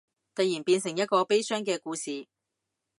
突然變成一個悲傷嘅故事